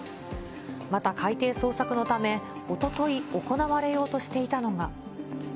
また海底捜索のため、おととい行われようとしていたのが。